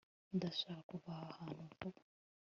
ndashaka kuva aha hantu vuba